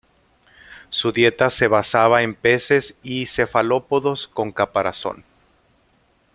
Su dieta se basaba en peces y cefalópodos con caparazón.